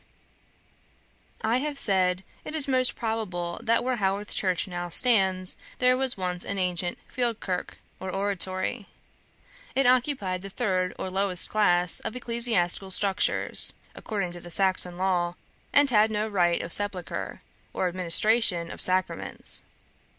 I have said, it is most probable that where Haworth Church now stands, there was once an ancient "field kirk," or oratory. It occupied the third or lowest class of ecclesiastical structures, according to the Saxon law, and had no right of sepulture, or administration of sacraments.